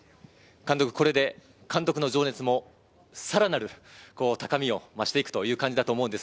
これで監督の情熱もさらなる高みを増していくという感じたと思います。